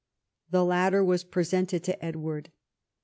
The latter was presented to Edward.